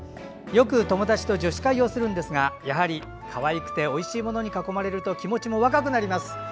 よく友達と女子会をするんですがやはり、かわいくておいしいものに囲まれると気持ちも若くなります。